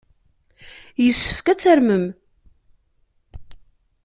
Yessefk ad tarmem.